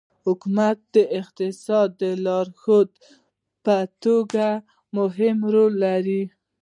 حکومت د اقتصاد د لارښود په توګه مهم رول لري.